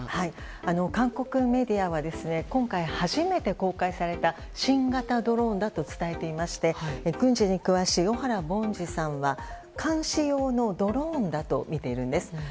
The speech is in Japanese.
韓国メディアは今回初めて公開された新型ドローンだと伝えていまして軍事に詳しい小原凡司さんは監視用のドローンだとみているんです。